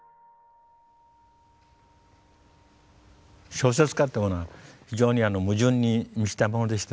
小説家っていうものは非常に矛盾に満ちたものでしてね